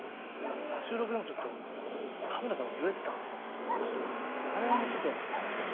収録でもちょっとカメラさんも揺れてたんであれはもうちょっと。